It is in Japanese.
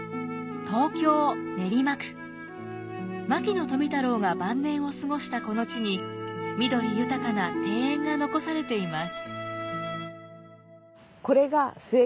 牧野富太郎が晩年を過ごしたこの地に緑豊かな庭園が残されています。